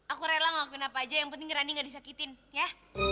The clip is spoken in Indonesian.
aku rela ngelakuin apa aja yang penting running gak disakitin ya